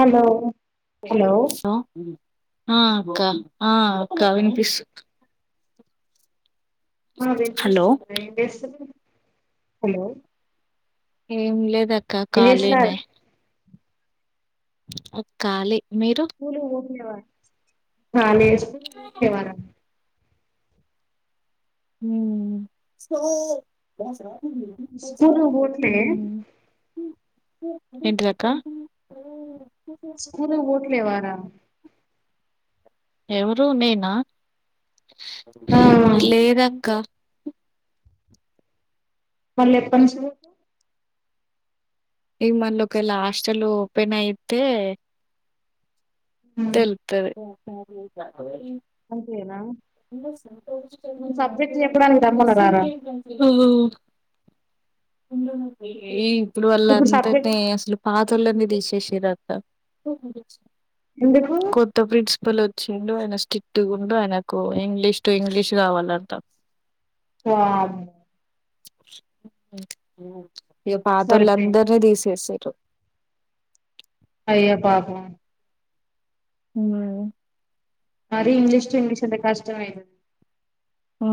Hello hello ఆ క్క ఆ అక్క హలో వినిపిస్తు ఆ హలో వినిపిస్తుంది ఏం చేస్తున్నావ్ హలో ఏం లేదక్క ఏం చేస్తున్నారు ఖాలినే ఉక్కాలి ఆ లేదు ఫీవర్ ఉ ఊ స్కూల్ పోట్లే ఎంటిదక్క స్కూలికి ఓట్లే వారా ఎవరు నేనా ఆ లేదక్క మల్లేప్పనుంచి ఇగ మల్లొకెలా హాస్టెల్ ఓపెనయితే పోతావ్ తెలుతది అంతేనా ఇప్పుడు సబ్జెక్ట్ చెప్పడానికి రమ్మన్నారారా ఇప్పుడు వాళ్ళంతా పే అసలు పాతోళ్ళని తీసేసిర్రంట ఎందుకు కొత్త ప్రిన్స్ పల్ వచ్చిండు ఆయన స్ట్రిక్ట్ ఉండు ఆయనకు ఇంగ్లీష్ టు ఇంగ్లీష్ కావాలంట వామ్ ఇగ సరిపోయింది పాతోళ్ళందరిని తీసేసి చ అయ్యో పాపం ఉ మరి ఇంగ్లీష్ టు ఇంగ్లీష్ అంటే కష్టమే ఊ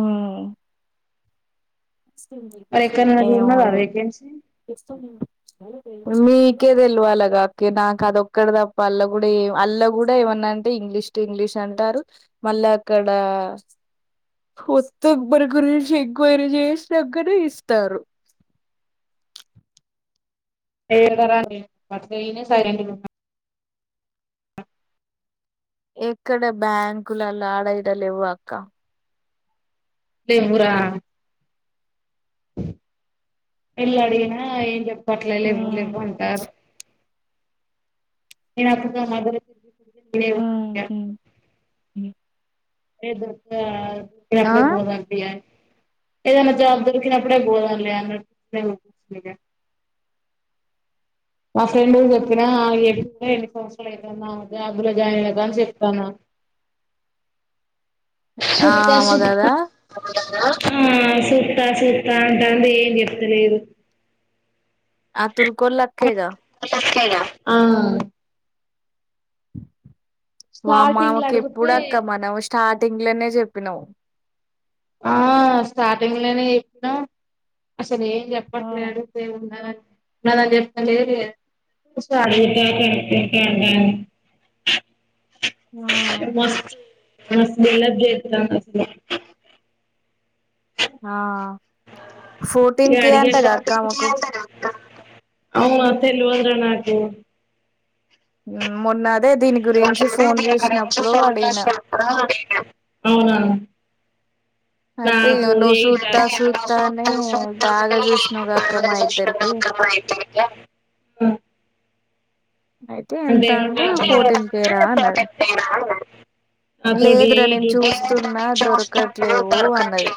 మరి ఎక్కడైనా చూడన్నారా ఎమో ఇగ వేకెన్సీ మీకే తెలివాలగా అక్కి నాకు అదొక్కడ తప్ప అల్ల కూడా అల్ల కూడా ఏమన్నా అంటే ఇ ఇంగ్లీష్ టు ఇంగ్లీష్ అంటారు మళ్ళీ అక్కడా వత్త బరకర్ జెషి ఎంక్వైరీ చేస్ దగ్గరే ఇస్తారు ఏడ్వరని మరి నేనే సైలెంట్ గున్న ఎక్కడ బ్యాంకులలా ఆడ ఇడ లెవ్క్క లేవ్వురా వెళ్ళడిగినా ఏం చెప్పట్లే లెవ్వు ఉమ్, లెవ్వు అంటారు నేను అత్తతో మాదిరి ఉ లేదు క్క షాప్ లోకి పోదాం తీ ఏదనా జాబ్ దొరికిప్పుడే పోదాం లే అన్నట్టు మా ఫ్రెండ్ కు చెప్పినా ఏ రండు సంవత్సరాలు అయితు జాబ్ లో జాయిన్గాని చెప్తాన ఆ సుత్తా సుత్తా అమగదా ఆ సూత్తా సూతా అంటాండు ఏం చెప్తలేదు ఆ తరుకొల్లాక్కేగా ఆ వామ్మా స్టార్టింగ్ లో ఆమెకు అడుగుతే ఎప్పుడక్క మనం స్టార్టింగ్ లోనే చెప్పినాం ఆ స్టార్టింగ్ లోనే చెప్పినం అసలు ఏం చెప్పట్లేదు అడిగితే ఉండని ఉన్నాదని చెప్పలే అడుగుతా కనుకుంటా అంటాండు మస్తు బిల్డప్ చెత్తంది అసలు ఆ ఫోర్టీన్ కే డి అంటగా అక్క ఆమెకు అవునా తెలివదురా నాకు మొన్న అదే దీని స గురించి ఫోన్ చేసినప్పుడు అడిగిన అవునా అయితే నాకు ఉ నువ్వు సూత్తా సూత్తా అని బాగా చూసినావుగా అక్క మా ఇద్దరికి అయితే ఎంత అంటే ఫోర్టీన్ కే రా అన్నది అతోడి లేదురా నేను ఇటు చూస్తున్నా దొరకట్లేవు అన్నది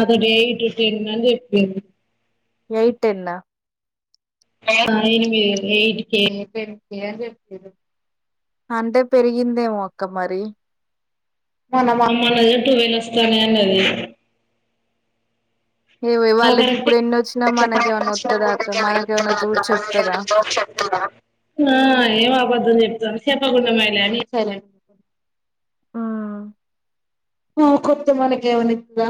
అదోటి ఎయిట్టు టెన్ అని చెప్పింది ఎయిట్ టెన్న ఆ ఎనిమిది eight K no ten K no అని చెప్పింది అంటే పెరిగిందేమో అక్క మరి మొన్న చూడ్ టూవెన్ వస్తానయ్ అన్నది ఏ ఆ వాళ్ళకి కరెక్టే ఇప్పుడు ఎన్ని వచ్చినా మనకేమన్నా వత్తదా అక్క మనకేమన్నా చూసి చెప్తదా ఆ ఏం అబద్ద్దని చెప్తాను చెప్పకుండమేలని ఆమెకొత్తే మనకేమైన ఇత్తద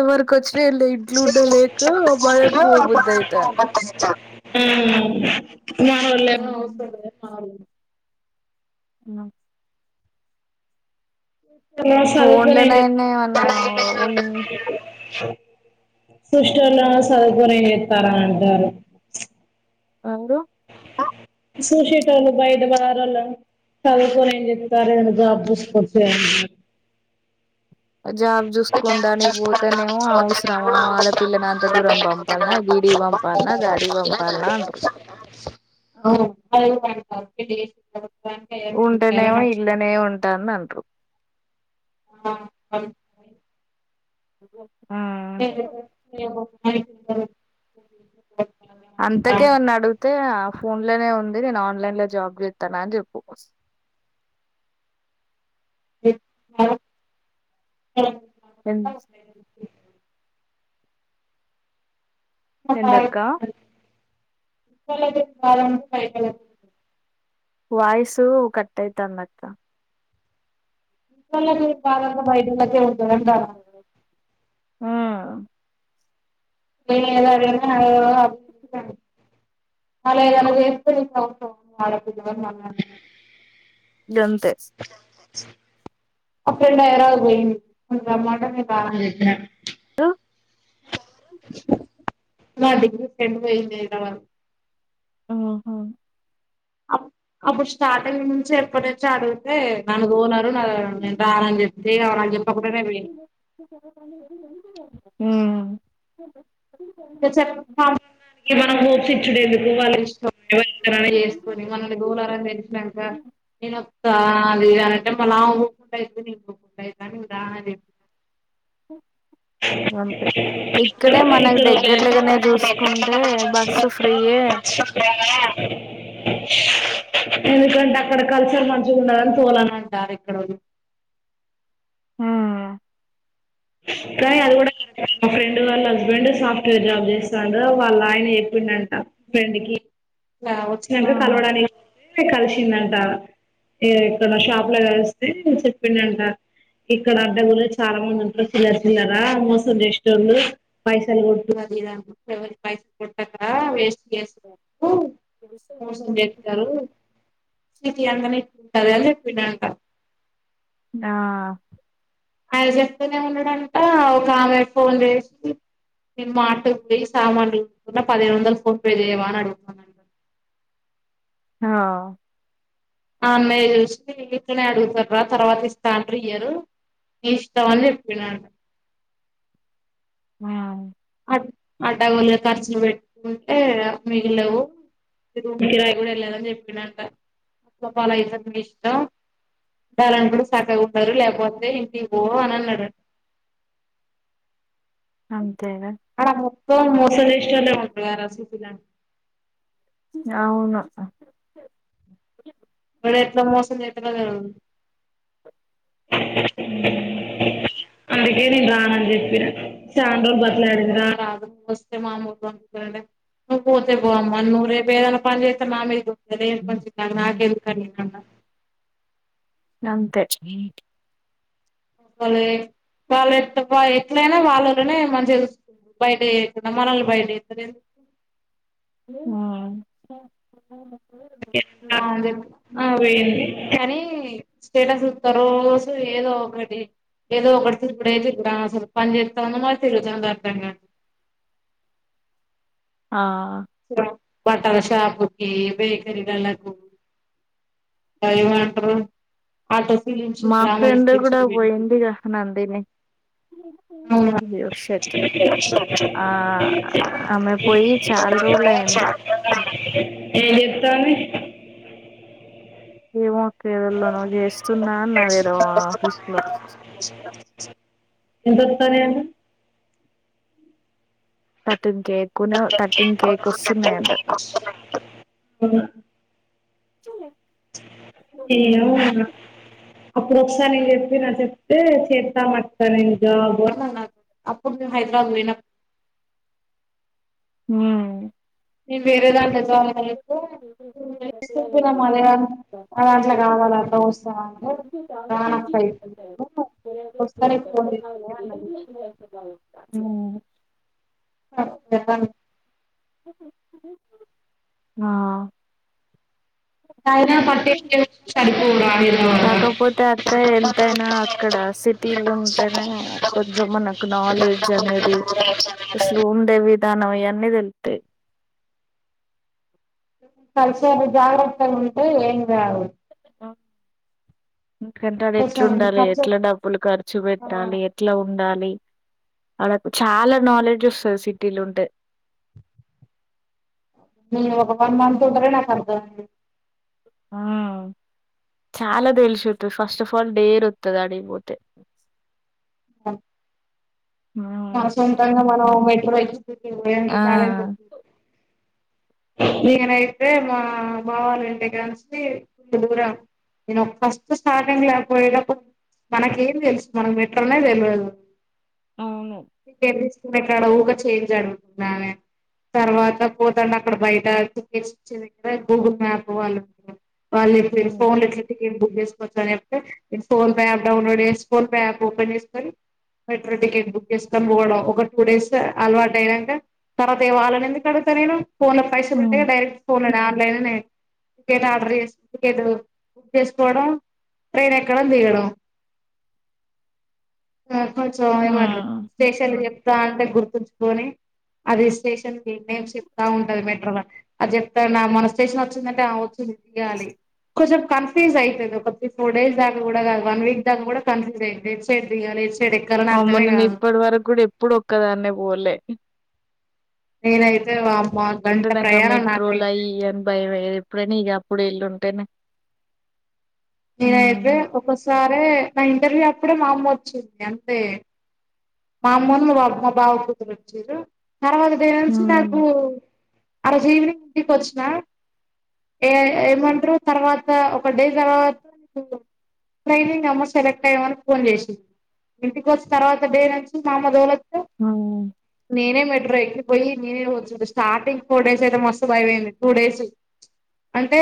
ఎవరికొచ్చినా ఇళ్ల ఇంట్లో ఉండలేక మనకు మనోళ్ళేమో పోబుద్ధి అయితాంది మావోల్లే అ [unintelligible] ఫోన్లనైనా ఏమన్నా ఉన్ సుష్టల్ల సదుకుర ఏతారంటారు అందు అ సూసేటోళ్లు బయదు బారలోల్ల సదువుకొని ఏం జేత్తరు ఇడ జాబ్ చూసుకోవచ్చు గా జాబ్ చూసుకొండానికి కదా పోతేనేమ అంటారు అవసరమా ఆడపిల్లని అంత దూరం పంపాల గిడి వంపాలనా గాడి వంపాలనా అంటు ఉంటేనేమో ఇల్లనే ఉంటాను [unintelligible] అంటారు ఆ అ [unintelligible] అంతకే వన్ అడుగుతే ఫోన్ లోనే ఉంది నేను ఆన్లైన్ లో జాబ్ చేస్తానా అని చెప్పు. ఎ మ ఎం తాన్ ఎందక్క [unintelligible] వాయిసు కట్టైతందంట్ట ఇవాలా బాగా బయట ఏళ్లొద్దు ఆ ఏ ఎద అ అ మళా ఎలగో చేస్తే వాడ ఏళ్తే మా ఫ్రెండ్ హైదరాబాద్ పోయింది ఉన్నమాట ని సామాలు చేద్దిరా కార్తీక్ పుట్టాడు బయలుదేర్నివరకు ఓహా అప్ అప్పుడు స్టార్టింగ్ నుంచి ఎప్పటి నుంచి అడిగితే నన్ననరు నా నేను రానని చెప్ అలా ఇప్పుకుమె రేమియ్ అ ఏ చేప్పు తా ఇగ మనం హోప్స్ ఇచ్చడు ఎందుకు వాళకి ఇష్టం ఎ చేసుకొని మనల్ని గోలారని తెలిసినాక ఏన అది అంటే మళ ఊకుం అయి న పోకుండా అయి అ చె అంతే ఇక్కడే మనకు దగ్గర్లుగానే చూసుకుంటే బస్సు ఫ్రీయె ఎందుకంటే అక్కడ కల్చర్ మంచిగా ఉండదని తోలని అంటారు ఇక్కడోళ్లు హ్మ్ ఇంక అది కూడా కర ఫ వాళ్ళ హస్బెండ్ సాఫ్ట్వేర్ జాబ్ చేస్తాడు వాళ్ళ ఆయన చెప్పండంట ఫ్రెండ్ కి కా వచ్చినట్టుగా హ్మ్ కలవడానికి కలిసిందంట ఏ ఇక్కడ షాప్ లో కలిస్తే చెప్పిండ అంట ఇక్కడ అత్త కూడా చాలా మంది ఉంటంది చిల్ల చిల్లరా మోసం చేసేటోళ్లు పైసలు కొంటున్నది ఇడ పైసలు కొ ఆ వేస్ ఎక్కువు మోసం చేస్తారు సిటీ అందని కదల్ చెప్పిండంట ఆ ఆయన చెప్తూనే ఉన్నాడంట ఒక ఆమె ఫోన్ చేసి నేను మార్ట్ ఉంది సామాన్లుకొనుకున్న పదిహేను వందలు ఫోన్ పే చేయవా అని అడుగుతుది హ అన్నయ్య చూసి ఇట్లనే అడుగుతారా తర్వాత ఇస్తా అంటరూ ఇయరు ని ఇష్టం అని చెప్పినడు ఆ అడగొల్గా ఖర్చులు పెట్టుకుంటే మిగలవు కిరాయి కూడా వెళ్లాలని చెప్పిండంట పాపం అలాయితే ఎక్కడిస్తావ్ ఉండాలనుకుంటే చక్కగా ఉంటరు లేకపోతే ఇంటికీపో అని అన్నాడు అవును అడా మొత్తం మోసంజేసేట్లో ఉన్నారసాలకి ఇలాన్ అవును డెంట్ల మోసం చేతాడో తెల్వదు హ్మ్ అందుకే నేను రానని చెప్పిన సండ్రోలు బతిమ్లాడింది రా రాదు వస్తే మామూలు పంపించారు అంటే నువ్వు పోతే పో అమ్మ నువ్ రేపు ఏదైనా పన్ చేతే మ మీదకు అదే మంచిది [unintelligible] అంతే వాలే వాళ్ళు ఎ ఎట్లైనా వాళ్ళలోనే మంచిగా బైట ఏయకున్నా మనల్ని బైటతారు ఎందుకు ఆ అవింది కానీ స్టేటస్ చుత రోజు ఏదో ఒకటి ఏదో ఒకటి తిరుగుడే తిరుగుడు అ అసల్ పంచెతందో మరి తీరుగుత్తాందో అర్ధంకాట్లే ఆ బట్టల షాపుకి బేకారి గలకు టైం అన్నట్రు ఆటస్ మా గ్రామస్ ఫ్రెండ్ భ కూడా ఇఎందుకు అయ్యో షట్ ఆ అమె పోయి చాల్రోలై ఏం చెప్తాంది ఏమో అక్క ఎవులోనో చేస్తున్నా నా ఏదో ఆఫీసు లో ఎంతోతనైట తటిన్ కేకును తటిన్ కేక్ వస్తున్నాయంట అవ్నా ఎమ్మోరా అప్పుడు ఒకసారి నేను చెప్పి చెప్తే చేద్దా అంటనే జాబు అననా అప్పుడు మేం హైదరాబాద్లో లేనప్ హ నేన్ వేరే దాంట్లో జాయింకాలే [unintelligible] [unintelligible] అట్లా కావాలి అట్లా వస్తవా అంటే రానప్ప ఇటు ఉమ్, [unintelligible] ఫోన్ చేసిందే అన్నది మ్ నడు లెమ్మను ఆ అయినా పట్టించుకోకుండా సరిపోవురా హైదరాబాద్ కాకపోతే అక్క ఎంతైనా అక్కడ ల సిటీలుంటేనే కొంచం మనకు నాలెడ్జ్ అనేది అసలు ఉండే వి ధానం ఇయన్ని తెల్తయి కల్షాలు జాగ్రత్తగుంటే ఏం కాదు. ఎందుకంటే ఆడ కొంచెం ఎట్లుండాలే ఖర్చు ఎట్లా డబ్బులు ఖర్చు పెట్టాలి, ఎట్ల ఉండాలి. చాలా నోలెడ్జ్ వస్తది సిటీలుంటే నేను ఒక వన్ మంత్ ఉంటనే నాక్ అర్థమైంది. ఆ చాలా తెల్సుసొత్తది ఫస్ట్ ఆఫ్ ఆల్ డేర్ వత్తది ఆడిక్ పోతే కన్ సొంతంగా మనం మెట్రో ఎక్కి పోయే అంత ఆ టాలెంట్ నేనైతే మా మా బావ వాళ్ళ ఇంటికాంచి దూరం నేను ఫస్ట్ స్టార్టింగ్ల పోయేటప్పుడు మనకేం తెల్సు మనకు మెట్రోనే తెల్వదు. అవును కెర్రిచ్ ఇక్కడ ఊగా చేంజ్ అడుగుతుందామే తర్వాత పోతండ అక్కడ బైట టికెట్స్ ఇచ్చే దగ్గర గూగుల్ మ్యాప్ వాళ్ళు ఉంటరు వాళ్ళు చెప్పింరు ఉమ్, ఫోన్ల ఎట్ల టికెట్ బుక్ చేస్కోవచ్చు అని చెప్తే నేను ఫోన్ పే యాప్ డౌన్లోడ్ చేసుకొన్ ఫోన్ యాప్ ఓపెన్ చేస్కొని మెట్రో టికెట్ బుక్ చేస్కొని పోవడం. ఒక టూ డేస్ అలవాటైనంక తర్వాత ఇగ వాళ్ళన్ ఎందుకు అడుగుత నేను ఫోన్లో పైసలుంటే ఉమ్. ఇగ డైరెక్ట్ ఫోన్ల ఆన్లైన్లనే టికెట్ ఆర్డర్ చేస్కో టికెట్ బుక్ చేస్కోవడం. ట్రైన్ ఎక్కడం, దిగడం. కొంచం ఆ ఏమంటరు స్పెషల్క్ చెప్ తాన్టే గుర్తుంచుకోని అది రిజిస్టేషన్కి నేమ్ చెప్ తా ఉంటది మెట్రోల అది చెప్తాన మన స్టేషన్ వచ్చిందంటే ఆ వచ్చింది దిగాలి. కొంచం కన్ఫ్యూజ్ అయితది. ఒక త్రీ ఫోర్ డేస్ దాకా గుడా గాదు వన్ వీక్ దాకా కూడా కన్ఫ్యూజ్ అయిద్ది ఎట్ సైడ్ దిగాలి ఎట్ అమ్మో నేన్ ఇప్పట్ వరకు గుడా ఎప్పుడు ఒక్కదాన్నే పోలే నేనైతే వామ్మో అంటే గంట నాకా ప్రయాణం మెట్రో నాకైతే లైయి ఇయి అని భయంమయ్యే ఎప్పుడైన ఇగ ఇప్పుడు ఈల్లుంటేనే నేనైతే ఒకసారే నా ఇంటర్వ్యూ అప్పుడే మా అమ్మ వచ్చింది అంతే మా అమ్మను మా బాబు మా బావ కూతుర్ వచ్చింరు తర్వాత దినం నుంచి నాకు హ్మ్. ఆరోజు ఈవెనింగ్ ఇంటికొచ్చిన ఏ ఏమంటరు తర్వాత ఒక డే తర్వాత ట్రైనింగ్ ఆమ సెలెక్ట్ అయ్యావని ఫోన్ చేసింది. ఇంటికొచ్చిన్ తర్వాత డే నుంచి మా అమ్మ గోల ఆ నేనే మెట్రో ఎక్కి పోయి నేనే వచ్చుడు. స్టార్టింగ్ ఫోర్ డేస్ అయితే మస్తు భయమైంది టూ డేస్ అంటే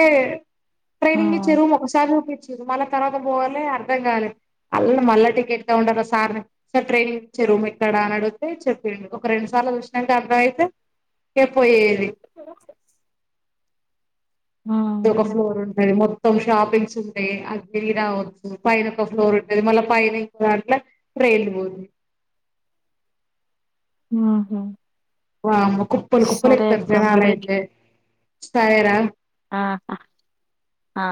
ఆ! ట్రైనింగ్ ఇచ్చే రూమ్ ఒకసార్ చూపిచ్ మళ్ళ తర్వాత పోలే అర్థం కాలే అల్ మళ్ళ టికెట్ కౌంటర్ల సార్ని సార్ ట్రైన్ చ్చె రూమ్ ఎక్కడ అన్ అడుగుతే చెప్పిండు ఒక రెండు సార్ల చూసినంక అర్థమైతే ఇగ పొయ్యేది. ఆ! ఇందొక ఫ్లోర్ ఉంటది మొత్తం షాపింగ్స్ ఉంటయి అట్ తిరిగి రావచ్చు పైన ఒక ఫ్లోర్ ఉంటది మళ్ళ పైన ఇంకో దాంట్ల ట్రైన్ [inaudible] ఉహుమ్ వామ్మో కుప్పలు కుప్పలు ఎక్కుతారు జనాలు మరి అయితే సరేరా ఆ ఆ ఆ